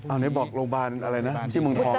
อันนี้บอกโรงพยาบาลอะไรนะที่เมืองทอง